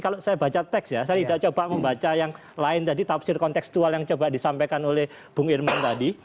kalau saya baca teks ya saya tidak coba membaca yang lain tadi tafsir kontekstual yang coba disampaikan oleh bung irman tadi